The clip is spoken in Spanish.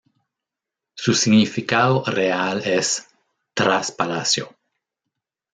Su significado real es "Tras Palacio".